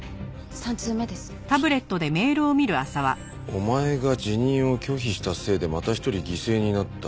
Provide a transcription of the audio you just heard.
「お前が辞任を拒否したせいでまた一人犠牲になった」